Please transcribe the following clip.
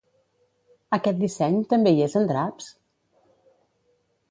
Aquest disseny també hi és en draps?